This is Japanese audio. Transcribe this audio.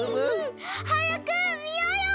はやくみようよ！